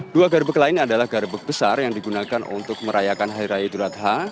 dua grebek lain adalah grebek besar yang digunakan untuk merayakan hari raya duradha